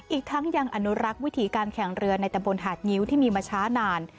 อีกทั้งยังอนุรักษ์วิถีการแข่งเรือในตำบลหาดงิ้วที่มีมาช้านาน